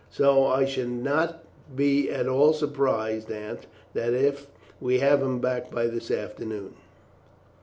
So I should not be at all surprised, Aunt, if we have him back here this afternoon."